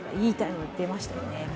いいタイムが出ましたね。